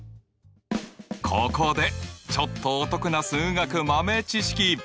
ここでちょっとお得な数学豆知識！